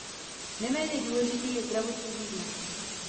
Neméně důležitý je zdravotní význam.